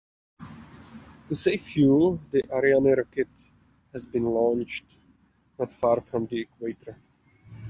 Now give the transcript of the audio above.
To save fuel, the Ariane rocket has been launched not far from the equator.